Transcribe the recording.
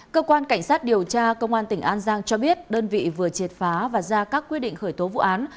cơ quan cảnh sát điều tra công an tỉnh an giang cho biết đơn vị vừa triệt phá và ra các quyết định khởi tố vụ án